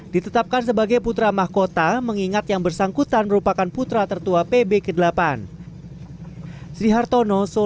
ditetapkan sebagai putra mahkota mengingat yang bersangkutan merupakan putra tertua pb ke delapan